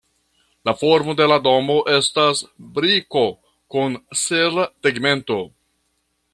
La formo de la domo estas briko kun sela tegmento.